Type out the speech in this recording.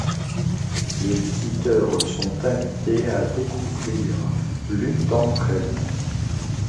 Les visiteurs sont invités à découvrir l'une d'entre elles.